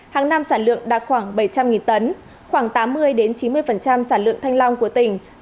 hàng năm sản lượng đạt khoảng bảy trăm linh tấn khoảng tám mươi chín mươi sản lượng thanh long của tỉnh